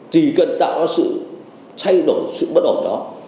chỉ cần tạo ra sự thay đổi sự bất ổn đó